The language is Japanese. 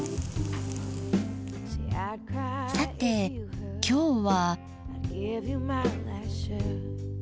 さて今日は。